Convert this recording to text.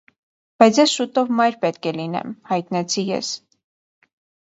- Բայց ես շուտով մայր պետք է լինեմ,- հայտնեցի ես: